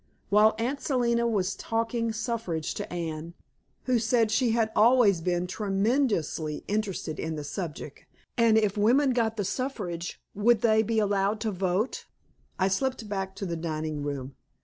While Aunt Selina was talking suffrage to Anne who said she had always been tremendously interested in the subject, and if women got the suffrage would they be allowed to vote? I slipped back to the dining room.